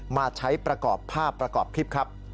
มาใช้ประกอบภาพประกอบคลิปครับ